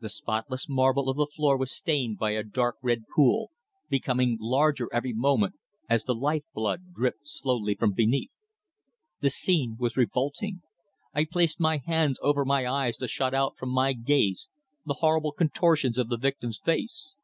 The spotless marble of the floor was stained by a dark red pool, becoming larger every moment as the life blood dripped slowly from beneath. The scene was revolting. I placed my hands over my eyes to shut out from my gaze the horrible contortions of the victim's face.